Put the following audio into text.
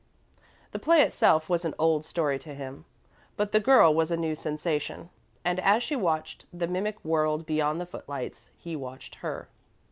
The play itself was an old story to him, but the girl was a new sensation, and while she watched the mimic world beyond the footlights, he watched her.